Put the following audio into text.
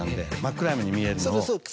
暗闇に見えるのを。